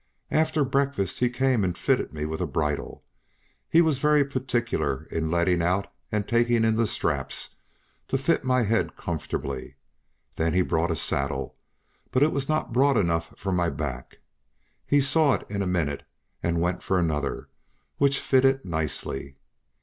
After breakfast he came and fitted me with a bridle. He was very particular in letting out and taking in the straps, to fit my head comfortably; then he brought a saddle, but it was not broad enough for my back; he saw it in a minute, and went for another, which fitted nicely.